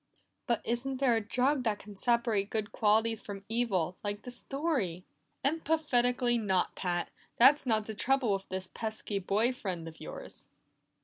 "But isn't there a drug that can separate good qualities from evil, like the story?" "Emphatically not, Pat! That's not the trouble with this pesky boy friend of yours."